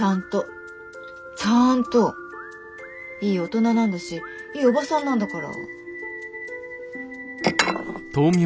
いい大人なんだしいいおばさんなんだから。